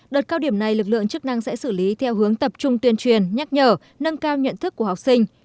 đợt cao điểm này lực lượng chức năng sẽ xử lý theo hướng tập trung tuyên truyền nhắc nhở nâng cao nhận thức của học sinh